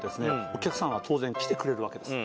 お客さんは当然来てくれるわけです